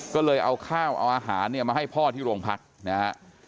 ก็เลยเอาข้าวเอาอาหารเนี่ยมาให้พ่อที่โรงพักนะฮะ